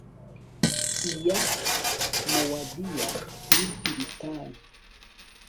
iya mowadiya ni pilitayi